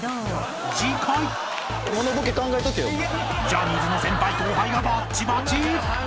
［ジャニーズの先輩後輩がバッチバチ！］